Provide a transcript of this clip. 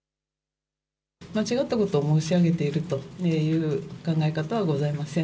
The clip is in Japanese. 間違ったことを申し上げているという考え方はございません。